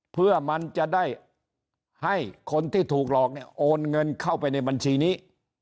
เพื่อมันจะได้ให้คนที่ถูกหลอกเนี่ยโอนเงินเข้าไปในบัญชีนี้